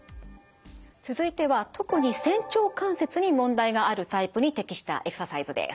続いては特に仙腸関節に問題があるタイプに適したエクササイズです。